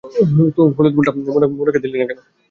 তাে, হলুদ ফুলটা মোনাকে কেন দিলি?